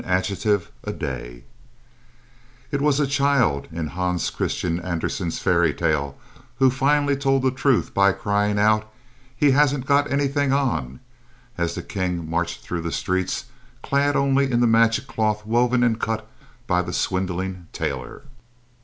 XIX AN ADJECTIVE A DAY It was a child in Hans Christian Andersen's fairy tale who finally told the truth by crying out, "He hasn't got anything on," as the king marched through the streets clad only in the magic cloth woven and cut by the swindling tailor.